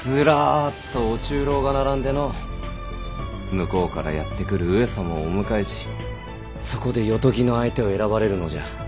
向こうからやって来る上様をお迎えしそこで夜伽の相手を選ばれるのじゃ。